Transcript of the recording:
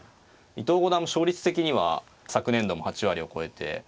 伊藤五段も勝率的には昨年度も８割を超えて。